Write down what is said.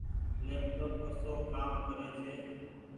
ليپ ٽوپ ڪسو ڪآ ڪري ڇي ۔